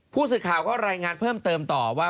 ผู้สื่อข่าวก็รายงานเพิ่มเติมต่อว่า